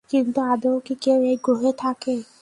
কিন্তু আদৌ কি কেউ এই গ্রহে থাকে?